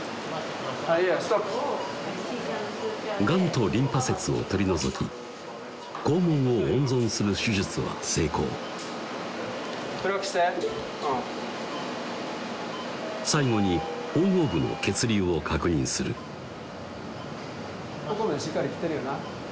あっストップがんとリンパ節を取り除き肛門を温存する手術は成功最後に縫合部の血流を確認するここまでしっかり来てるよな